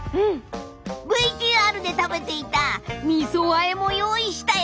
ＶＴＲで食べていたみそあえも用意したよ！